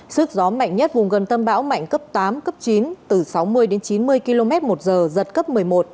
sức gió mạnh nhất vùng gần tâm bão mạnh cấp tám cấp chín từ sáu mươi đến chín mươi km một giờ giật cấp một mươi một